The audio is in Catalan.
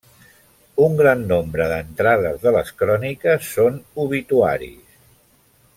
Un gran nombre d'entrades de les cròniques són obituaris.